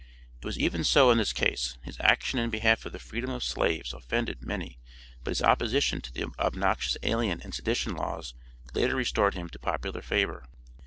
It was even so in this case, his action in behalf of the freedom of slaves offended many but his opposition to the obnoxious alien and sedition laws later restored him to popular favor.